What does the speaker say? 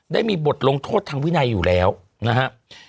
ได้มีบทลงโทษทางวินัยอยู่แล้วนะครับ